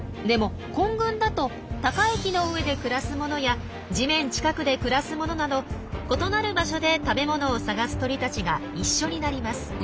でも混群だと高い木の上で暮らすものや地面近くで暮らすものなど異なる場所で食べ物を探す鳥たちが一緒になります。